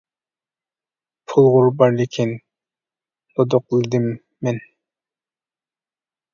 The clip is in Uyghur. — پۇلغۇ بار، لېكىن، — دۇدۇقلىدىم مەن.